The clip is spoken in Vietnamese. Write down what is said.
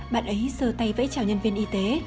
bạn ấy sơ tay vẫy chào nhân viên y tế